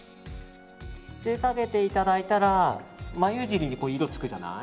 下げていただいたら眉尻に色がつくじゃない。